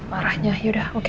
parahnya yaudah oke